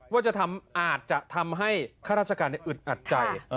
ว่าจะทำอาจจะทำให้ข้าราชการแอดอัดใจ